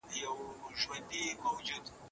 هیڅوک له قانون څخه لوړ نه دی.